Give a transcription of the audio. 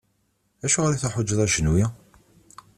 Acuɣer i teḥwaǧeḍ ajenwi?